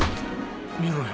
見ろよ